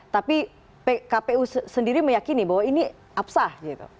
tapi pkpu sendiri meyakini bahwa ini absah